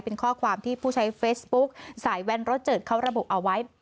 เป็นข้อความที่ผู้ใช้เฟซบุ๊กสายแว้นรถเจิดเขาระบุเอาไว้